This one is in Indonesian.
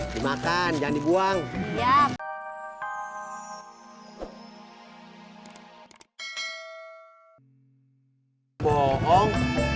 cobain dua kan